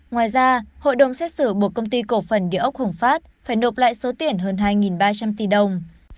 ngoài ra hội đồng xét xử buộc công ty cổ phần địa ốc hồng phát phải nộp lại số tiền hơn hai ba trăm linh tỷ đồng